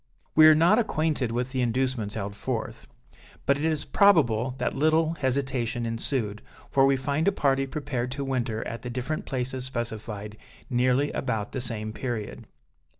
We are not acquainted with the inducements held forth; but it is probable that little hesitation ensued, for we find a party prepared to winter at the different places specified, nearly about the same period.